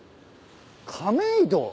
亀戸。